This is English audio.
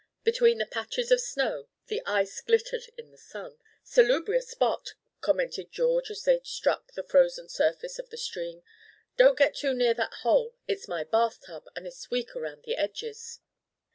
Between the patches of snow the ice glittered in the sun. "Salubrious spot," commented George, as they struck the frozen surface of the stream. "Don't get too near that hole. It's my bath tub and it's weak around the edges."